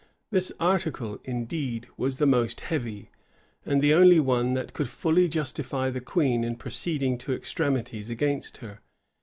This article, indeed, was the most heavy, and the only one that could fully justify the queen in proceeding to extremities against her.